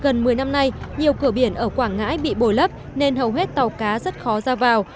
gần một mươi năm nay nhiều cửa biển ở quảng ngãi bị bồi lấp nên hầu hết tàu cá rất khó ra vào